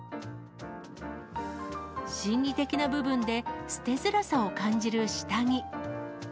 心理的な部分で捨てづらさを感じる下着。